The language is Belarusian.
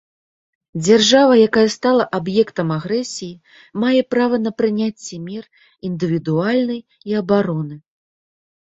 Дзяржава, якая стала аб'ектам агрэсіі, мае права на прыняцце мер індывідуальнай і абароны.